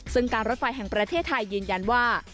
ซึ่งการรถไฟแห่งประเทศไทยยืนยันว่า